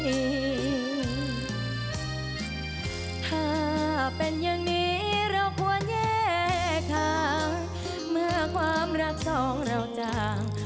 ถ้าเป็นอย่างนี้เราควรแยกทางเมื่อความรักสองเราจาง